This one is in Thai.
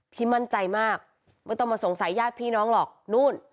มั่นใจมากไม่ต้องมาสงสัยญาติพี่น้องหรอกนู่น